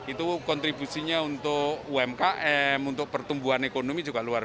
itu kontribusinya untuk umkm untuk pertumbuhan ekonomi juga luar